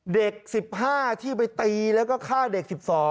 เด็ก๑๕ที่ไปตีแล้วก็ฆ่าเด็ก๑๒